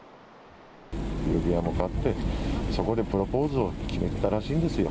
指輪も買って、そこでプロポーズを決めてたらしいんですよ。